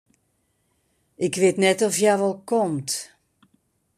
Ik wit net oft hja wol komt.